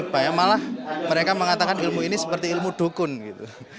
bayang malah mereka mengatakan ilmu ini seperti ilmu dukun gitu